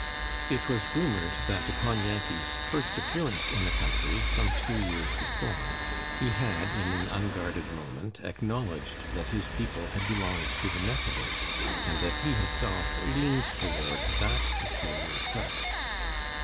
It was rumored that upon Yankee's first appearance in the country, some few years before, he had, in an unguarded moment, acknowledged that his people had belonged to the Methodists, and that he himself "leaned toward" that peculiar sect.